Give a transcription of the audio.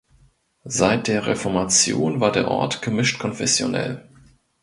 Seit der Reformation war der Ort gemischt konfessionell.